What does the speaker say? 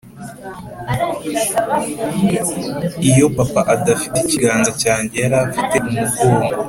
“iyo papa adafite ikiganza cyanjye, yari afite umugongo.”